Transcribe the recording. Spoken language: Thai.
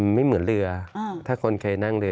ไม่เหมือนเรือถ้าคนเคยนั่งเรือ